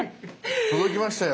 届きましたよ。